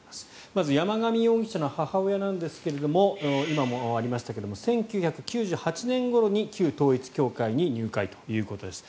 まず山上容疑者の母親なんですが今もありましたが１９９８年ごろに旧統一教会に入会ということです。